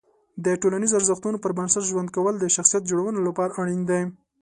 د ټولنیزو ارزښتونو پر بنسټ ژوند کول د شخصیت جوړونې لپاره اړین دي.